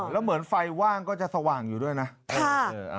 แล้วเหมือนไฟว่างก็จะสว่างอยู่ด้วยนะค่ะเออเอามรรค